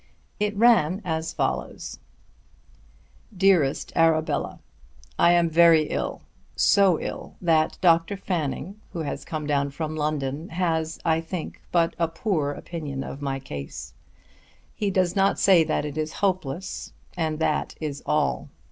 It ran as follows: DEAREST ARABELLA, I am very ill, so ill that Dr. Fanning who has come down from London, has, I think, but a poor opinion of my case. He does not say that it is hopeless, and that is all.